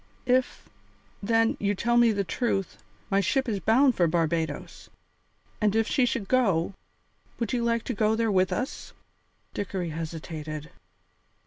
"If, then, you tell me the truth, my ship is bound for Barbadoes. And if she should go, would you like to go there with us?" Dickory hesitated.